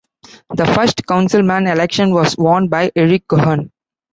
The first councilman election was won by Eric Cohen.